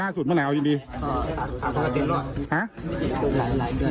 และขอบคุณลูกชายด้านลูกชายของนะครับ